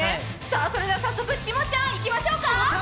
それでは早速、下ちゃん、いきましょうか。